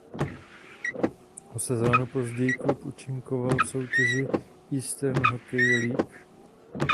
O sezónu později klub účinkoval v soutěži Eastern Hockey League.